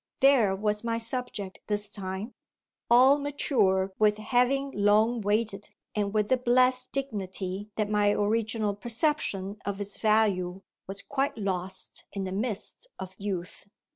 There was my subject this time all mature with having long waited, and with the blest dignity that my original perception of its value was quite lost in the mists of youth.